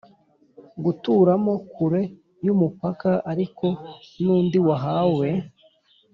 Guturamo kure y umupaka ariko n undi wahawe